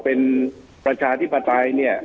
เป็นประชาธิปไตยเนี่ย